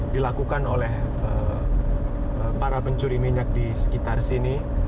dilakukan oleh para pencuri minyak di sekitar sini